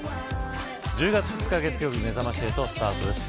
１０月２日月曜日めざまし８スタートです。